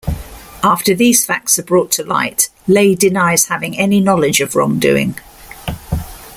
After these facts are brought to light, Lay denies having any knowledge of wrongdoing.